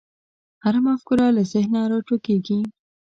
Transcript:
هره مفکوره له ذهنه راټوکېږي.